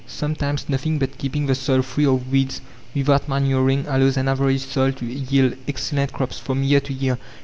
Sometimes nothing but keeping the soil free of weeds, without manuring, allows an average soil to yield excellent crops from year to year.